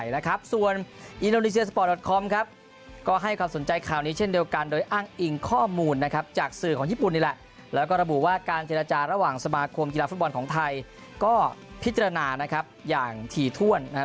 และฟุตบอลของไทยก็พิจารณานะครับอย่างที่ถ้วนนะครับ